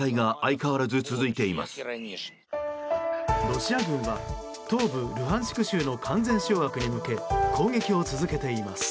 ロシア軍は東部ルハンシク州の完全掌握に向け攻撃を続けています。